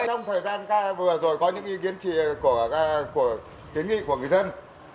trong thời gian vừa rồi có những ý kiến chỉ của kiến nghị của người dân